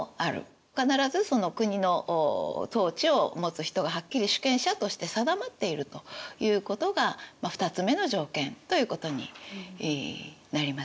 必ずその国の統治を持つ人がはっきり主権者として定まっているということが２つ目の条件ということになります。